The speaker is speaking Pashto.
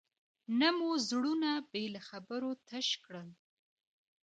نه مو زړونه بې له خبرو تش کړل.